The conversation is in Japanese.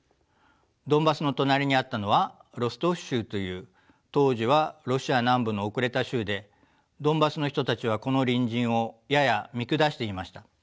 ドンバスの隣にあったのはロストフ州という当時はロシア南部の後れた州でドンバスの人たちはこの隣人をやや見下していました。